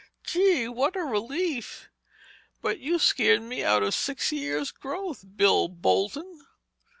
"Gee, what a relief—but you scared me out of six years' growth, Bill Bolton!"